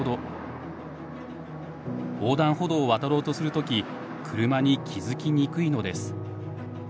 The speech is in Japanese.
横断歩道を渡ろうとする時車に気付きにくいのです。